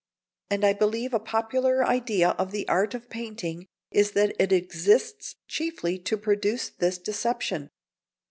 And I believe a popular idea of the art of painting is that it exists chiefly to produce this deception.